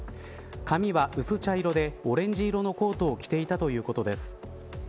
髪は薄茶色でオレンジ色のコートを着ていたということです。